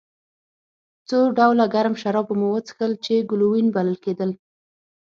څو ډوله ګرم سره شراب به مو څښل چې ګلووېن بلل کېدل.